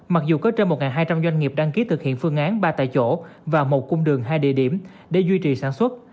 mặc dù có trên một hai trăm linh doanh nghiệp đăng ký thực hiện phương án ba tại chỗ và một cung đường hai địa điểm để duy trì sản xuất